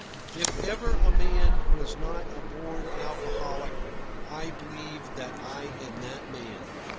If ever a man was not a born alcoholic, I believe that I am that man.